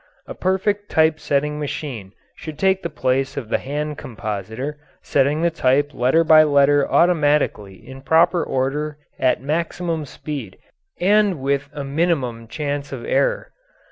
A perfect typesetting machine should take the place of the hand compositor, setting the type letter by letter automatically in proper order at a maximum speed and with a minimum chance of error.